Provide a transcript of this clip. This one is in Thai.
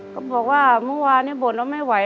ก็บอกว่าเมื่อวานนี้บ่นเราไม่ไหว